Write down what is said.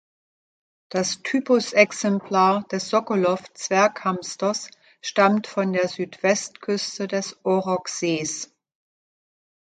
Das Typusexemplar des Sokolow-Zwerghamsters stammt von der Südwestküste des Orog-Sees.